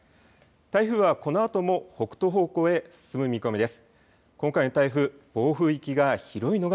台風はこのあとも北東方向へ進む見込みです。